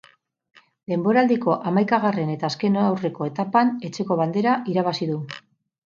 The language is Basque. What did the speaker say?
Denboraldiko hamaikagarren eta azken aurreko etapan etxeko bandera irabazi du.